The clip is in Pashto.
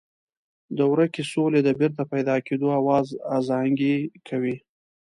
د ورکې سولې د بېرته پیدا کېدو آواز ازانګې کوي.